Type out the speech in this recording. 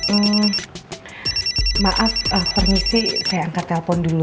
eee maaf permisi saya angkat telpon dulu